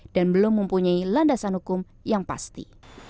dan belum mempunyai landasan hukum yang pasti